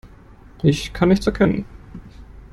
Ich kann nichts erkennen.